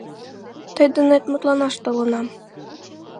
Тый денет мутланаш толынам.